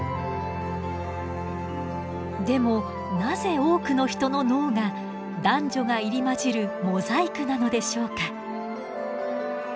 でもなぜ多くの人の脳が男女が入り交じるモザイクなのでしょうか？